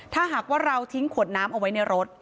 ถ้าหากว่าเราทิ้งขวดน้ำเอาไว้ในรถ